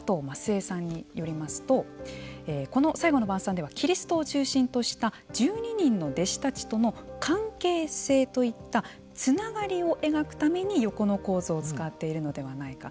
枝さんによりますとこの「最後の晩餐」ではキリストを中心とした１２人の弟子たちとの関係性といったつながりを描くために横の構図を使っているのではないか。